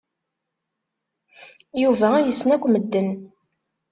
Yuba yessen akk medden.